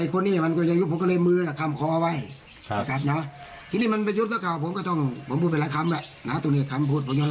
คือจากนี้ผมอยากให้เรียกมันเรียบร้อย